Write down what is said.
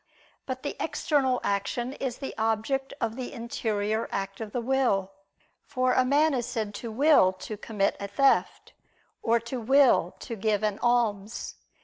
But the external action is the object of the interior act of the will: for a man is said to will to commit a theft, or to will to give an alms.